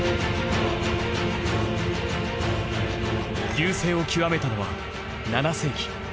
隆盛を極めたのは７世紀。